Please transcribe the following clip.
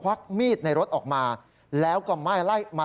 เพราะถูกทำร้ายเหมือนการบาดเจ็บเนื้อตัวมีแผลถลอก